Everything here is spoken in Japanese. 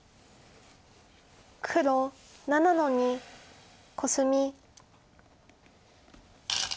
黒７の二コスミ。